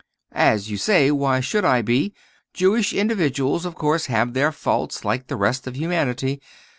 "As you say, why should I be? Jewish individuals, of course, have their faults like the rest of humanity.